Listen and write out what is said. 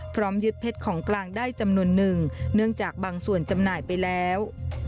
พร้อมยึดเพชรของกลางได้จำนวนหนึ่งเนื่องจากบางส่วนจำหน่ายไปแล้ว